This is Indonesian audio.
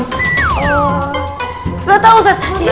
oh gak tau ustaz